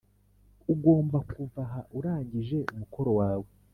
ugomba kuva aha urangije umukoro wawe